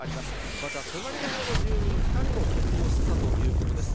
また、隣の部屋の住人２人も煙を吸ったということです。